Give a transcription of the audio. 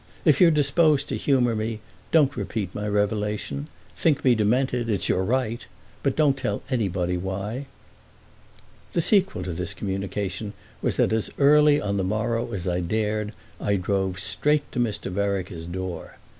If you're disposed to humour me don't repeat my revelation. Think me demented—it's your right; but don't tell anybody why." The sequel to this communication was that as early on the morrow as I dared I drove straight to Mr. Vereker's door.